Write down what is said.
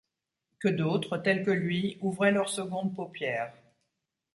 Que d’autres, tels que lui, ouvraient leurs secondes paupières.